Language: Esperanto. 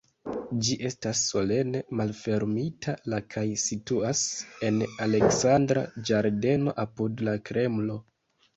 Ĝi estas solene malfermita la kaj situas en Aleksandra ĝardeno apud la Kremlo.